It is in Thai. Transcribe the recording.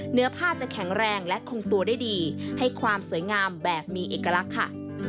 เนื้อผ้าจะแข็งแรงและคงตัวได้ดีให้ความสวยงามแบบมีเอกลักษณ์ค่ะ